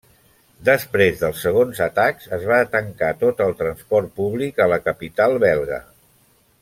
Després dels segons atacs, es va tancar tot el transport públic a la capital belga.